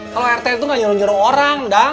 kalau rt itu nggak nyuruh nyuruh orang dang